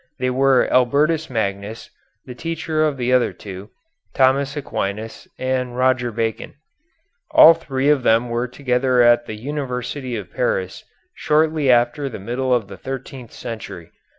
They were Albertus Magnus, the teacher of the other two, Thomas Aquinas and Roger Bacon. All three of them were together at the University of Paris shortly after the middle of the thirteenth century.